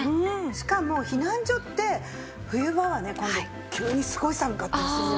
しかも避難所って冬場はね今度急にすごい寒かったりするじゃないですか。